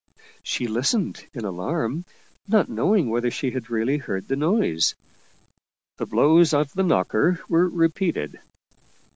She listened in alarm, not knowing whether she had really heard the noise. The blows of the knocker were repeated.